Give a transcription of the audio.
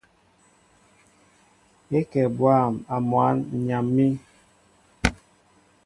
É kɛ bwâm a mwǎn , ǹ yam̀ín.